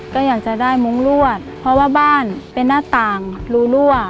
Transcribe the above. ก็อยากจะได้มุ้งรวดเพราะว่าบ้านเป็นหน้าต่างรูรั่ว